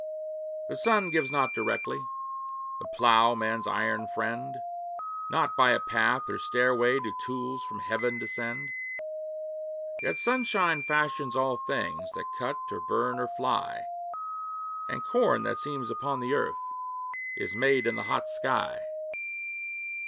The sun gives not directly The plough, man's iron friend; Not by a path or stairway Do tools from Heaven descend. Yet sunshine fashions all things That cut or burn or fly; And corn that seems upon the earth Is made in the hot sky.